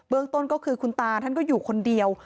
ต้นก็คือคุณตาท่านก็อยู่คนเดียว